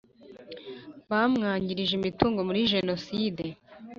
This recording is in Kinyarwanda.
bamwangirije imitungo muri Jenoside